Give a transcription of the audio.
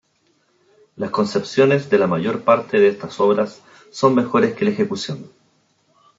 Las concepciones de la mayor parte de estas obras son mejores que la ejecución.